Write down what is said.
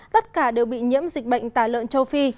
tất cả đều bị nhiễm dịch bệnh tả lợn châu phi